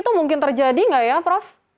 kalau itu terjadi nggak ya prof